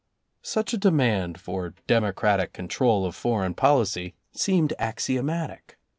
Such a demand for "democratic control of foreign policy" seemed axiomatic.